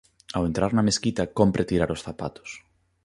Ao entrar na mesquita cómpre tirar os zapatos.